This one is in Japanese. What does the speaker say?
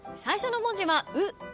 最初の文字は「う」